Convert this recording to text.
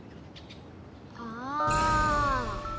ああ。